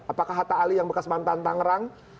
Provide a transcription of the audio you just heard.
apakah hatta ali yang bekas mantan tangerang